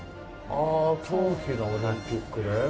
ああ冬季のオリンピックね。